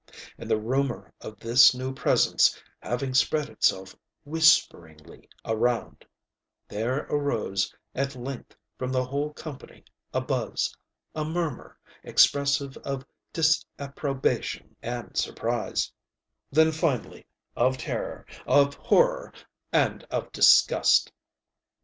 And the rumor of this new presence having spread itself whisperingly around, there arose at length from the whole company a buzz, or murmur, expressive of disapprobation and surpriseŌĆöthen, finally, of terror, of horror, and of disgust.